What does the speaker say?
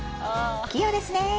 器用ですねえ。